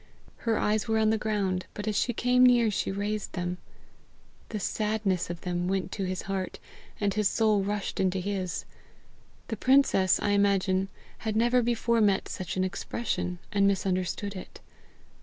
Her eyes were on the ground, but as she came near she raised them. The sadness of them went to his heart, and his soul rushed into his. The princess, I imagine, had never before met such an expression, and misunderstood it.